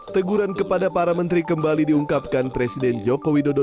teguran kepada para menteri kembali diungkapkan presiden jokowi dodo